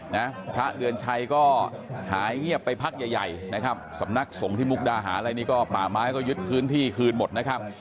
นะพระเดือนชัยก็หายเงียบไปพักใหญ่ใหญ่นะครับสำนักสงฆ์ที่มุกดาหารอะไรนี่ก็ป่าไม้ก็ยึดพื้นที่คืนหมดนะครับ